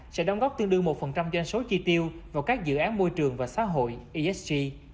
sẽ đóng góp tương đương một doanh số chi tiêu vào các dự án môi trường và xã hội esg